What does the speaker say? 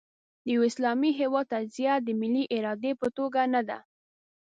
د یوه اسلامي هېواد تجزیه د ملي ارادې په توګه نه ده.